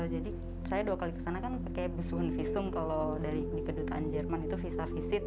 jadi saya dua kali ke sana kan pakai busuhun visum kalau dari kedutaan jerman itu visa visit